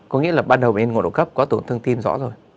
có nghĩa là ban đầu bệnh nhân ngộ độc cấp có tổn thương tim rõ rồi